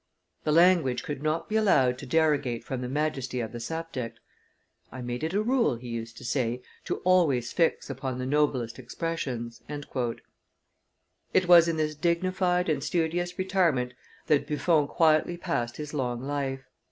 The language could not be allowed to derogate from the majesty of the subject. 'I made it a rule,' he used to say, 'to always fix upon the noblest expressions.'" It was in this dignified and studious retirement that Buffon quietly passed his long life.